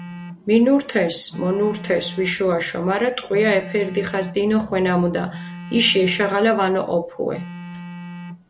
მინურთეს, მონურთეს ვიშო-აშო, მარა ტყვია ეფერი დიხას დინოხვე ნამუდა, იში ეშაღალა ვანოჸოფუე.